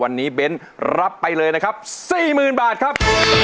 วันนี้เบ้นรับไปเลยนะครับ๔๐๐๐บาทครับ